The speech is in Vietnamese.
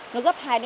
nó gấp hai ba lần